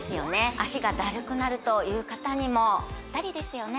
脚がだるくなるという方にもピッタリですよね